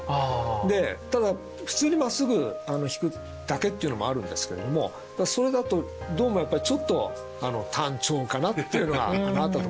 でただ普通にまっすぐ引くだけっていうのもあるんですけどもそれだとどうもやっぱりちょっと単調かなっていうのがあったと思うんですね。